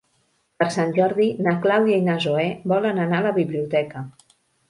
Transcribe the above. Per Sant Jordi na Clàudia i na Zoè volen anar a la biblioteca.